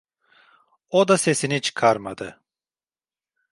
O da sesini çıkarmadı.